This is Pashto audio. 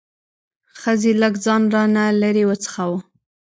ښځې لږ ځان را نه لرې وڅښاوه.